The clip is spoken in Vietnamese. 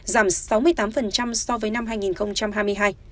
giảm sáu mươi tám so với năm hai nghìn hai mươi hai